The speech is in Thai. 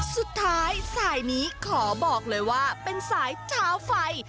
สายนี้ขอบอกเลยว่าเป็นสายเท้าไฟ